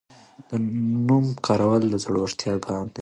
د نوم کارول د زړورتیا ګام و.